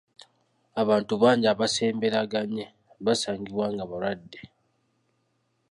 Abantu bangi abasembereganye baasangibwa nga balwadde.